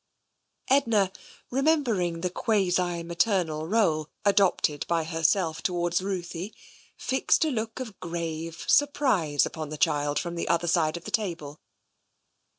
Edna, remembering the quasi maternal role adopted by herself towards Ruthie, fixed a look of grave sur prise upon the child from the other side of the table.